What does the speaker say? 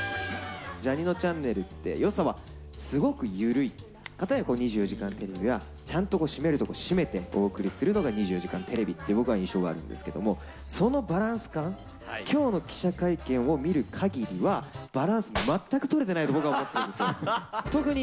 ジャにのちゃんねるって、よさは、すごく緩い、かたや２４時間テレビはちゃんと締めるとこ締めてお送りするのが２４時間テレビという、僕は印象があるんですけど、そのバランス感、きょうの記者会見を見るかぎりは、バランス、全く取れてないと僕は思ってるんですよ。